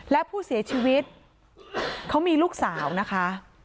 และผู้เสียชีวิตเขามีลูกสาวนะคะ